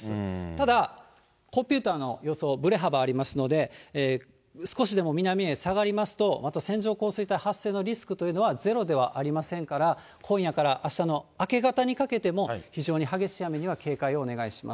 ただ、コンピューターの予想、ぶれ幅がありますので、少しでも南へ下がりますと、また線状降水帯発生のリスクというのはゼロではありませんから、今夜からあしたの明け方にかけても非常に激しい雨には警戒をお願いします。